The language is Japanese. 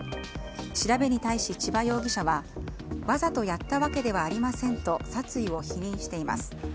調べに対しチバ容疑者はわざとやったわけではありませんと殺意を否認しています。